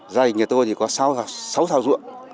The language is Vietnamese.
giày như tôi thì có sáu sao ruộng